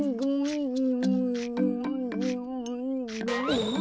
うん？